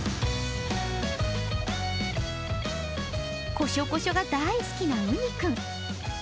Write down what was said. こしょこしょが大好きなうにくん。